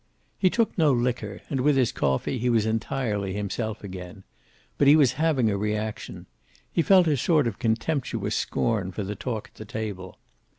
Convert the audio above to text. He took no liquor, and with his coffee he was entirely himself again. But he was having a reaction. He felt a sort of contemptuous scorn for the talk at the table.